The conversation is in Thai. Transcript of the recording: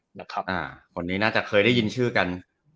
คนนี้น่าจะเคยได้ยินชื่อกัน